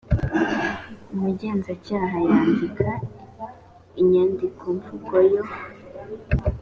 umugenzacyaha yandika inyandikomvugo yo